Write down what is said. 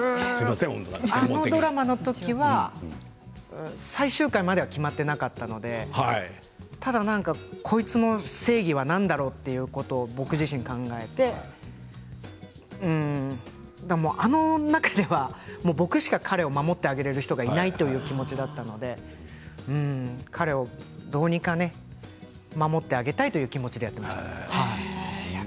あのドラマの時は最終回までは決まっていなかったのでただ何かこいつの正義は何だろう？ということを僕自身が考えてあの中では僕しか彼を守ってあげられる人がいないという気持ちだったので彼をどうにか守ってあげたいという気持ちでやっていました。